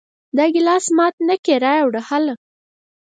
دا ګلاس مات نه کې را یې وړه هله!